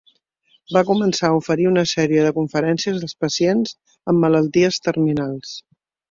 Va començar a oferir una sèrie de conferències als pacients amb malalties terminals.